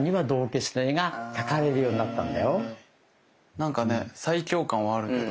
なんかね最強感はあるけど。